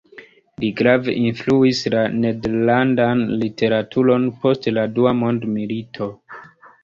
Li grave influis la nederlandan literaturon post la Dua Mondmilito.